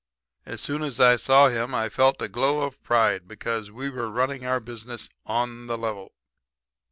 As soon as I saw him I felt a glow of pride, because we were running our business on the level.